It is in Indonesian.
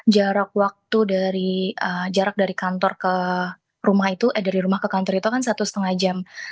jarak waktu jarak dari kantor ke rumah itu eh dari rumah ke kantor itu kan satu setengah jam